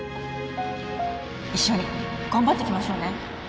一緒に頑張っていきましょうね